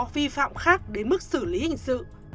vi phạm khác đến mức xử lý hình sự